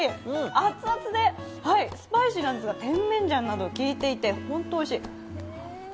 熱々で、スパイシーなんです、テンメンジャンなどが効いていて、本当、おいしい。